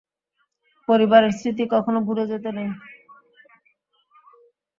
পরিবারের স্মৃতি কখনো ভুলে যেতে নেই।